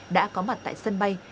đã có mặt tại sân bay